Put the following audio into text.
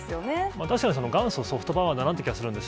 確かに元祖ソフトパワーだなって気はするんですよ。